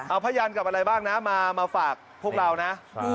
เอาพยันกับอะไรบ้างนะมาฝากพวกเรานะ